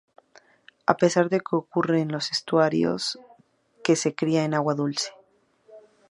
A pesar de que ocurre en los estuarios, que se cría en agua dulce.